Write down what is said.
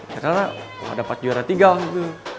karena dapat juara tiga waktu itu